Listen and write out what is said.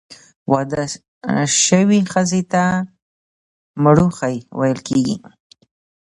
واده سوي ښځي ته، مړوښې ویل کیږي.